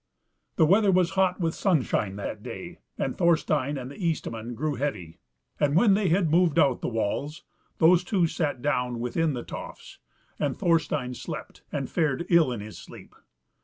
The weather was hot with sunshine that day, and Thorstein and the Eastman grew heavy; and when they had moved out the walls, those two sat down within the tofts, and Thorstein slept, and fared ill in his sleep.